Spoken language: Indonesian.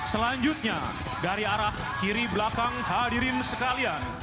selanjutnya dari arah kiri belakang hadirin sekalian